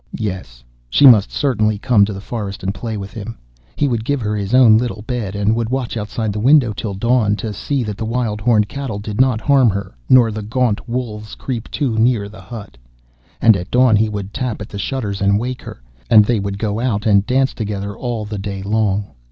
Yes, she must certainly come to the forest and play with him. He would give her his own little bed, and would watch outside the window till dawn, to see that the wild horned cattle did not harm her, nor the gaunt wolves creep too near the hut. And at dawn he would tap at the shutters and wake her, and they would go out and dance together all the day long.